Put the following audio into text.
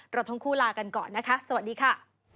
เราทั้งคู่ลากันก่อนนะคะสวัสดีค่ะ